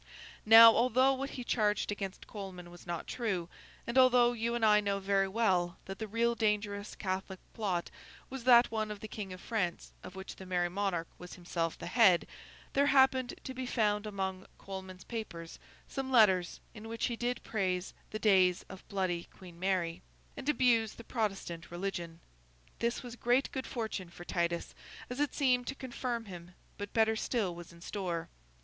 Now, although what he charged against Coleman was not true, and although you and I know very well that the real dangerous Catholic plot was that one with the King of France of which the Merry Monarch was himself the head, there happened to be found among Coleman's papers, some letters, in which he did praise the days of Bloody Queen Mary, and abuse the Protestant religion. This was great good fortune for Titus, as it seemed to confirm him; but better still was in store.